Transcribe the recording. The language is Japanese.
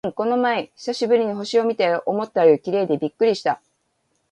うん、この前久しぶりに星を見たよ。思ったより綺麗でびっくりした！